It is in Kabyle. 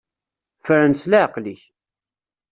Fren s leɛqel-ik.